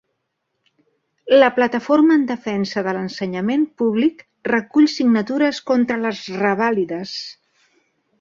La Plataforma en Defensa de l'Ensenyament Públic recull signatures contra les revàlides.